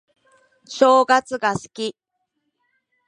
正月が好き